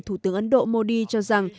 thủ tướng ấn độ modi cho rằng